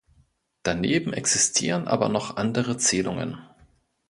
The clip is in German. Daneben existieren aber noch andere Zählungen.